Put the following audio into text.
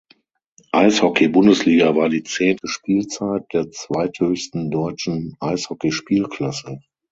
Eishockey-Bundesliga war die zehnte Spielzeit der zweithöchsten deutschen Eishockeyspielklasse.